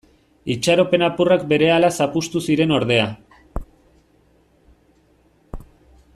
Itxaropen apurrak berehala zapuztu ziren ordea.